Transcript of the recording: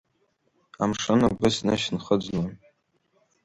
Амшын агәы снышь нхыӡлан…